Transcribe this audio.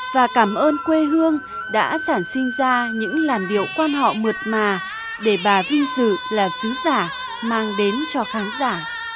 và cảm ơn quê hương đã sản sinh ra những làn điệu quan họ mượt mà để bà vinh dự là sứ giả mang đến cho khán giả